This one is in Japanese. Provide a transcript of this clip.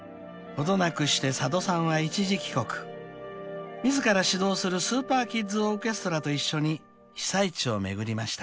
［程なくして佐渡さんは一時帰国自ら指導するスーパーキッズ・オーケストラと一緒に被災地を巡りました］